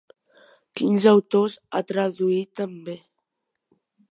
Quins autors ha traduït també?